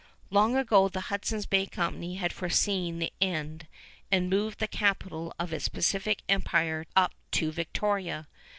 Long ago the Hudson's Bay Company had foreseen the end and moved the capital of its Pacific Empire up to Victoria.